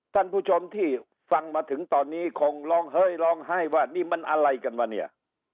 ท่านผู้ชมที่ฟังมาถึงตอนนี้คงร้องเฮ้ยร้องไห้ว่านี่มันอะไรกันวะเนี่ย